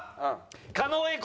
狩野英孝。